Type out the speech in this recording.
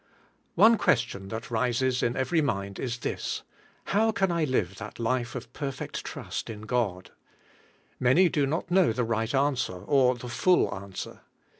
ONE question that rises in every mind is this: "How can I live that life of perfect trust in God?" Many do not know the right answer, or the full answer.